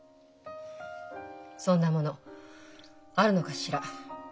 そんなものあるのかしら？